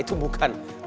itu bukan waktunya